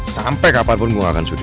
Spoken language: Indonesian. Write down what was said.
sampai kapanpun gue gak akan sudi